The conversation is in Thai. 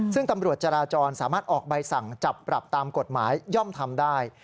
ซึ่งตำรวจจราจรสามารถออกใบสั่งจับปรับตามกฎหมายย่อมทำได้